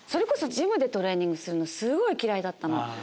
ジムでトレーニングするのすごい嫌いだったの。